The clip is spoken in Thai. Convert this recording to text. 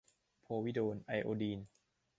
โพวิโดน ไอโอดีน